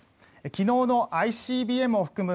昨日のＩＣＢＭを含む